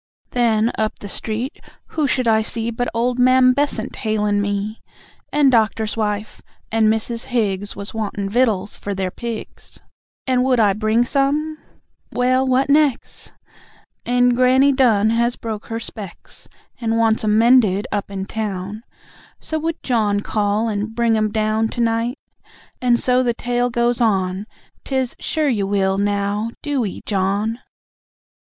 Then, up the street, who should I see, But old Mam Bessant hail'n' me. And Doctor's wife, and Mrs. Higgs Was wantin' vittles for their pigs, And would I bring some? (Well, what nex'?) And Granny Dunn has broke her specs, And wants 'em mended up in town, So would John call and bring 'em down To night ...? and so the tale goes on, 'Tis, "Sure you will, now DO 'ee, John."